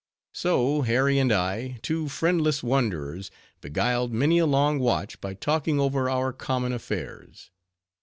So Harry and I, two friendless wanderers, beguiled many a long watch by talking over our common affairs.